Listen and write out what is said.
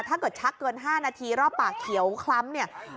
ถ้าเกิดชักเกิน๕นาทีรอบปากเขียวคล้ำ